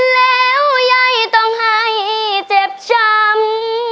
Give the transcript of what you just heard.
แล้วยายต้องให้เจ็บช้ำ